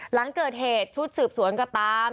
หลังเกิดเหตุชุดสืบสวนก็ตาม